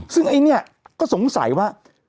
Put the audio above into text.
ซึ่งไอ้เนี่ยก็สงสัยว่า